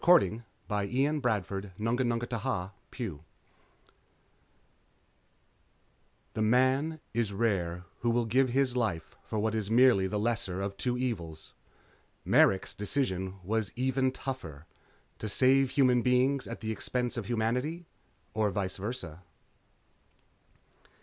TURNING POINT By Alfred Coppel Illustrated by Philip Parsons _The man is rare who will give his life for what is merely the lesser of two evils. Merrick's decision was even tougher: to save human beings at the expense of humanity, or vice versa?